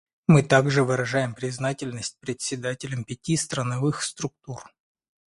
Мы также выражаем признательность председателям пяти страновых структур.